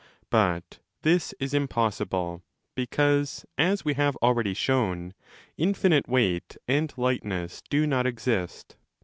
But this is impossible, because, as we have already shown, infinite weight and lightness do not exist.